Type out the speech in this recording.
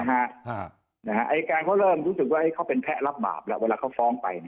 อายการเขาเริ่มรู้สึกว่าเขาเป็นแพ้รับบาปแล้วเวลาเขาฟ้องไป